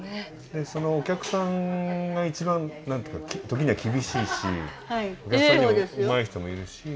でそのお客さんが一番時には厳しいしお客さんにもうまい人はいるし